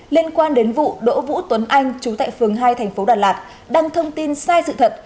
liên quan đến vụ đỗ vũ tuấn anh chú tại phường hai thành phố đà lạt đăng thông tin sai sự thật